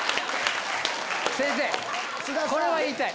先生これは言いたい。